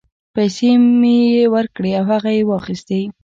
پیسې مې یې ورکړې او هغه یې واخیستې.